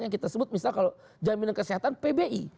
yang kita sebut misal kalau jaminan kesehatan pbi